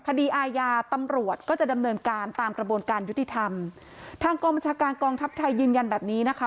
คดีอาญาตำรวจก็จะดำเนินการตามกระบวนการยุติธรรมทางกองบัญชาการกองทัพไทยยืนยันแบบนี้นะคะ